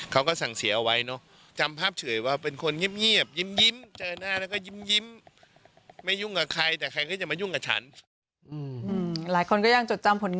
เขาก็สั่งเสียไว้ก็จำภาพเฉยต่างเป็นคนยิ้มยิ้มเจอหน้าอ่ะยิ้มไม่ยุ่งกับใครแม้ยุ่งกับชั้น